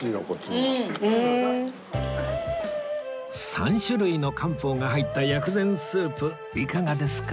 ３種類の漢方が入った薬膳スープいかがですか？